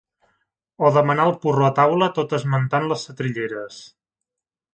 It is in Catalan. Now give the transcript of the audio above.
O demanar el porró a taula tot esmentant les setrilleres.